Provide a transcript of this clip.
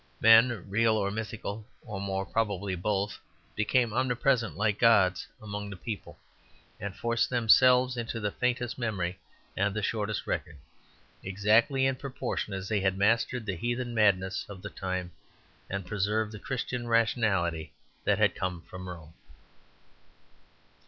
Men real or mythical, or more probably both, became omnipresent like gods among the people, and forced themselves into the faintest memory and the shortest record, exactly in proportion as they had mastered the heathen madness of the time and preserved the Christian rationality that had come from Rome.